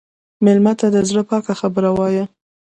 مېلمه ته د زړه پاکه خبره وایه.